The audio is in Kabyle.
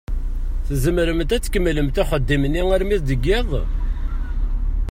Tzemremt ad tkemmlemt axeddim-nni armi deg iḍ?